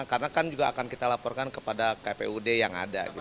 karena kan juga akan kita laporkan kepada kpud yang ada